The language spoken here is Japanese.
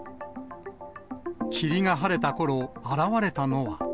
霧が晴れたころ、現れたのは。